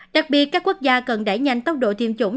đặc biệt các quốc gia cần đẩy nhanh tốc độ tiêm chủng